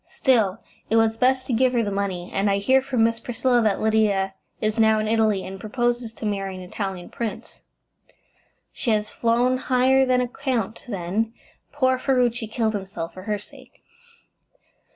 Still, it was best to give her the money, and I hear from Miss Priscilla that Lydia is now in Italy, and proposes to marry an Italian prince." "She has flown higher than a count, then. Poor Ferruci killed himself for her sake."